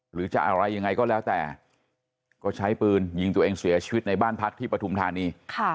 หรือจะอะไรยังไงก็แล้วแต่ก็ใช้ปืนยิงตัวเองเสียชีวิตในบ้านพักที่ปฐุมธานี